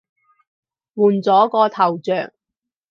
換咗個頭像